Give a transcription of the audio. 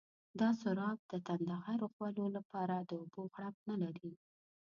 دا سراب د تنده غرو خولو لپاره د اوبو غړپ نه لري.